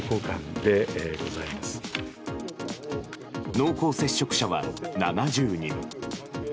濃厚接触者は７０人。